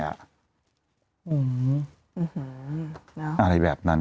หื้อหืออะไรแบบนั้น